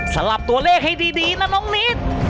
สลับตัวเลขให้ดีนะน้องนิด